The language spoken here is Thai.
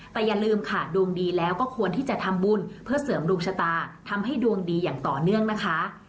แต่อย่าลืมค่ะดวงดีแล้วก็ควรที่จะทำบุญเพื่อเสริมดวงชะตาทำให้ดวงดีอย่างต่อเนื่องนะคะ